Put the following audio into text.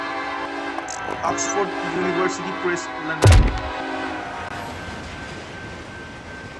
Oxford University Press, London.